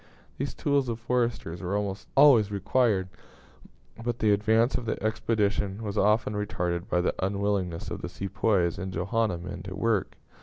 These tools of foresters were almost always required; but the advance of the expedition was often retarded by the unwillingness of the Sepoys and Johanna men to work.